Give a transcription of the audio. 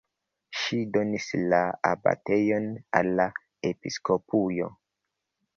Ŝi donis la abatejon al la episkopujo.